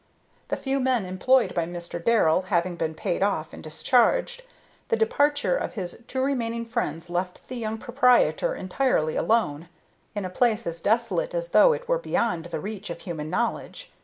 The few men employed by Mr. Darrell having been paid off and discharged, the departure of his two remaining friends left the young proprietor entirely alone, in a place as desolate as though it were beyond the reach of human knowledge.